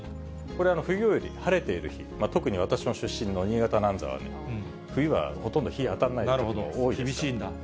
これ、冬より晴れている日、特に私の出身の新潟なんぞは冬はほとんど、日当たらない日多いですから。